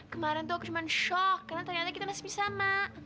kemaren tuh aku cuman shock karena ternyata kita nasib sama